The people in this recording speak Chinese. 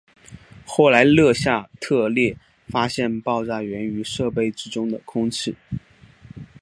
后来勒夏特列发现爆炸缘于设备之中的空气。